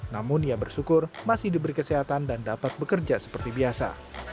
namun ia bersyukur masih diberi kesehatan dan dapat bekerja seperti biasa